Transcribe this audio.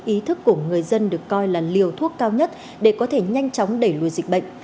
ý thức của người dân được coi là liều thuốc cao nhất để có thể nhanh chóng đẩy lùi dịch bệnh